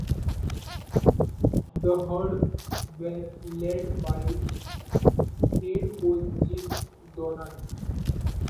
The Herd were led by head coach Jim Donnan.